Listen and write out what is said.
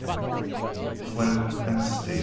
IV. FLINT AND STEEL.